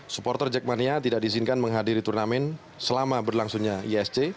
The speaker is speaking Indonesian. supporter jack mania tidak disingkan menghadiri turnamen selama berlangsungnya isc